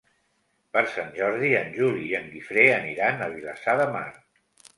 Per Sant Jordi en Juli i en Guifré aniran a Vilassar de Mar.